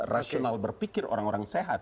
rasional berpikir orang orang sehat